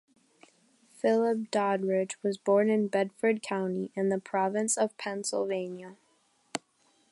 Philip Doddridge was born in Bedford County in the Province of Pennsylvania.